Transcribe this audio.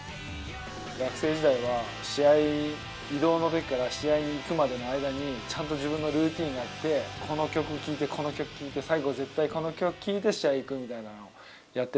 学生時代は試合移動の時から試合に行くまでの間にちゃんと自分のルーティンがあってこの曲聴いてこの曲聴いて最後絶対この曲聴いて試合行くみたいなのをやってて。